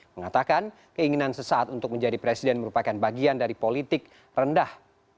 mengatakan keinginan sesaat untuk menjadi presiden merupakan bagian dari politik rendah